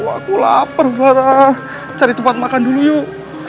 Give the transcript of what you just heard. aku lapar parah cari tempat makan dulu yuk